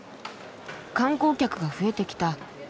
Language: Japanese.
観光客が増えてきた。